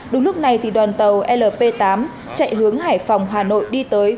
đúng lúc này thì đoàn tàu lp tám chạy hướng hải phòng hà nội đi tới